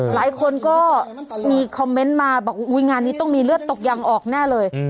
หลายคนก็มีคอมเมนต์มาบอกอุ๊ยงานนี้ต้องมีเลือดตกยังออกแน่เลย